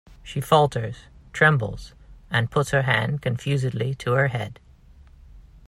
She falters, trembles, and puts her hand confusedly to her head.